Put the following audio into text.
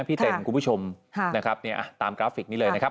พี่แต่นคุณผู้ชมครับตามกราฟฟิกนี่เลยนะครับ